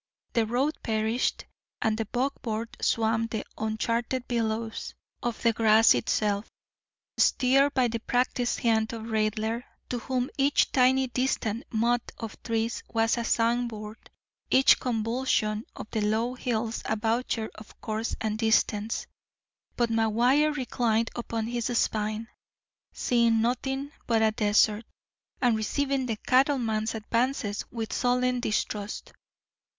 The road perished, and the buckboard swam the uncharted billows of the grass itself, steered by the practised hand of Raidler, to whom each tiny distant mott of trees was a signboard, each convolution of the low hills a voucher of course and distance. But McGuire reclined upon his spine, seeing nothing but a desert, and receiving the cattleman's advances with sullen distrust.